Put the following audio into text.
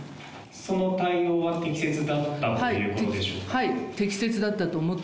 その対応は適切だったということでしょうか？